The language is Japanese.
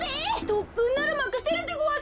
とっくんならまかせるでごわす！